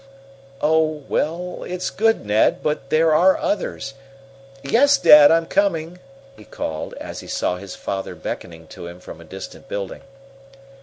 "Oh, well, it's good, Ned, but there are others. Yes, Dad, I'm coming," he called, as he saw his father beckoning to him from a distant building.